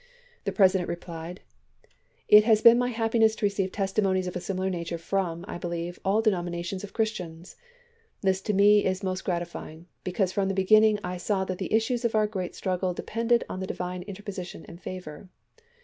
The President re plied : It has been my happiness to receive testimonies of a similar nature from, I believe, all denominations of Christians. .. This to me is most gratifying, because from the beginning I saw that the issues of our great struggle depended on the Divine interposition and favor.